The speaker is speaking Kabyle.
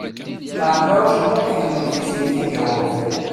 Ɛmiṛuc U Muḥ iḥemmel Tiziri Tagawawt.